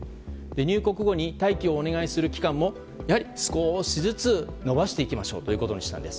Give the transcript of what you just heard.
入国後に大気をお願いする期間も少しずつ延ばしていきましょうということにしたんです。